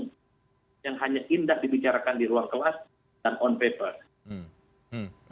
yang hanya indah dibicarakan di ruang kelas dan on papers